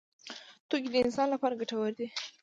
توکي د انسان لپاره ګټور دي.